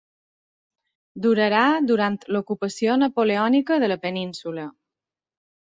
Durarà durant l'ocupació napoleònica de la península.